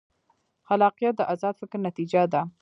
خلاقیت د ازاد فکر نتیجه ده.